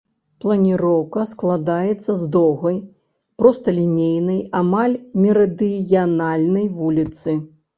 Планіроўка складаецца з доўгай, просталінейнай, амаль мерыдыянальнай вуліцы.